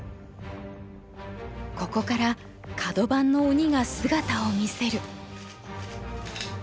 ここからカド番の鬼が姿を見せる。